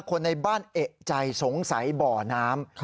คนในบ้านเอกใจสงสัยบ่อน้ำ